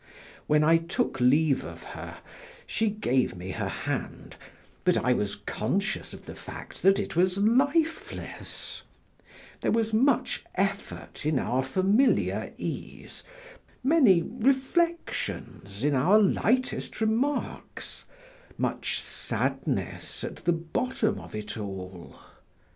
When I took leave of her, she gave me her hand, but I was conscious of the fact that it was lifeless; there was much effort in our familiar ease, many reflections in our lightest remarks, much sadness at the bottom of it all.